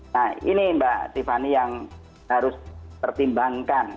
nah ini mbak tiffany yang harus dipertimbangkan